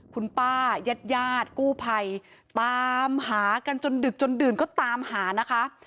คุณป้ายาดกู้ภัยตามหากันจนดึกจนดื่นก็ตามหานะคะ